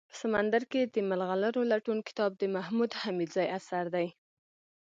په سمندر کي دملغلرولټون کتاب دمحمودحميدزي اثر دئ